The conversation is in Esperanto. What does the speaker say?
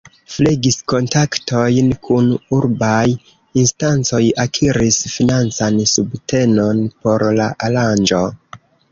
Flegis kontaktojn kun urbaj instancoj, akiris financan subtenon por la aranĝo.